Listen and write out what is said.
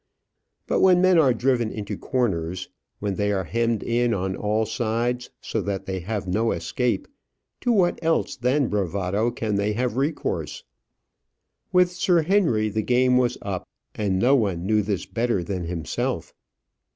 But when men are driven into corners when they are hemmed in on all sides, so that they have no escape, to what else than bravado can they have recourse? With Sir Henry the game was up; and no one knew this better than himself.